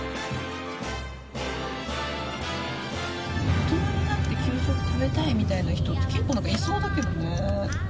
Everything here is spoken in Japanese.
大人になって給食食べたいみたいな人って結構いそうだけどね。